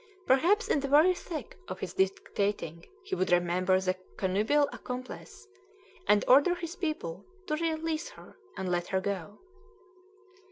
Perhaps in the very thick of his dictating he would remember the connubial accomplice, and order his people to "release her, and let her go."